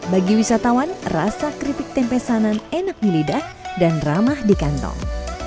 bagi wisatawan rasa keripik tempe sanan enak di lidah dan ramah di kantong